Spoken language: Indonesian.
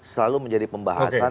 selalu menjadi pembahasan